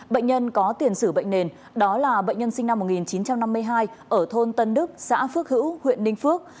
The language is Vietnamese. bệnh nhân có tiền sử bệnh nền đó là bệnh nhân sinh năm một nghìn chín trăm năm mươi hai ở thôn tân đức xã phước hữu huyện ninh phước